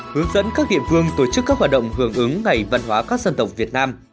hướng dẫn các địa phương tổ chức các hoạt động hưởng ứng ngày văn hóa các dân tộc việt nam